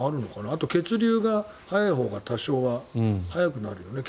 あと、血流が早いほうが多少は早くなるよね